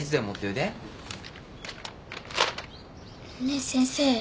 ねえ先生。